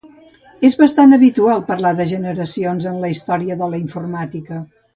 És bastant habitual parlar de generacions en la història de la informàtica.